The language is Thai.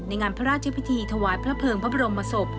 งานพระราชพิธีถวายพระเภิงพระบรมศพ